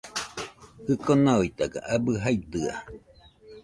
Jiko noitaga abɨ jaidɨa